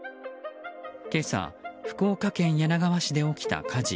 今朝、福岡県柳川市で起きた火事。